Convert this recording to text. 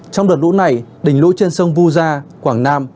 trong đợt lũ này đỉnh lũ trên sông vu gia quảng nam